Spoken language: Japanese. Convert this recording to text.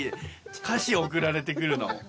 歌詞、送られてくるの。